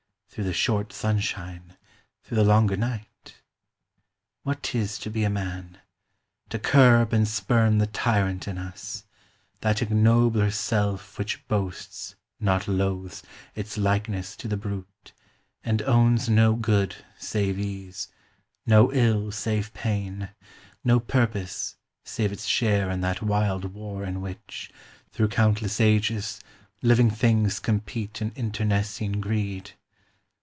Through the short sunshine, through the longer night ? 6 CHRISTMAS DAY. What 'tis to be a man : to curb and spurn The tyrant in us : that ignobler self Which boasts, not loathes, its likeness to the brute, And owns no good save ease, no ill save pain, No purpose, save its share in that wild war In which, through countless ages, living things Compete in internecine greed.